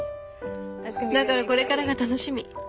だからこれからが楽しみ。